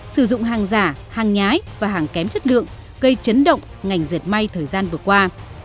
sử dụng hàng giả hàng nhái và hàng kém chất lượng gây chấn động ngành dệt may thời gian vừa qua